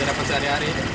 kita dapat sehari hari